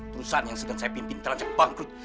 perusahaan yang sedang saya pimpin terhadap bangkrut